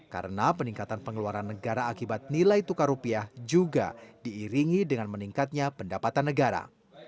karena peningkatan pengeluaran negara akibat nilai tukar rupiah juga diiringi dengan meningkatnya pendapatan negara